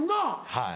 はい。